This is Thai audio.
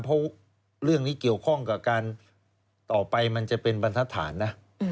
เพราะเรื่องนี้เกี่ยวข้องกับการต่อไปมันจะเป็นบรรทฐานนะ